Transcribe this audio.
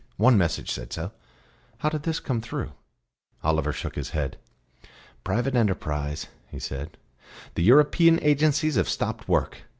One message said so." "How did this come through?" Oliver shook his head. "Private enterprise," he said. "The European agencies have stopped work.